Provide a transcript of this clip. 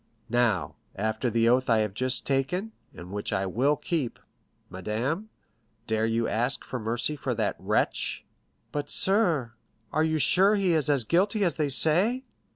Now, after the oath I have just taken, and which I will keep, madame, dare you ask for mercy for that wretch!" "But, sir, are you sure he is as guilty as they say?"